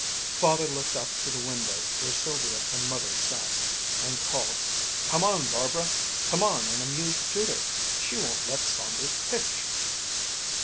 Father looked up to the window where Sylvia and Mother sat, and called: "Come on, Barbara! Come on and amuse Judith. She won't let Saunders pitch."